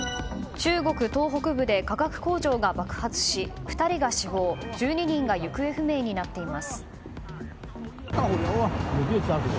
中国の東北部で化学工場が爆発し２人が死亡１２人が行方不明になっています。